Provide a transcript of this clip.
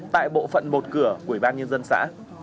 tại bộ phận một cửa của ủy ban nhân dân xã